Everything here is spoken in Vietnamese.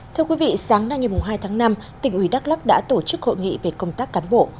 thưa quý vị sáng nay ngày hai tháng năm tỉnh ủy đắk lắc đã tổ chức hội nghị về công tác cán bộ